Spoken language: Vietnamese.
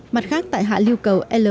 mặt khác tại hạ lưu cầu lrb sáu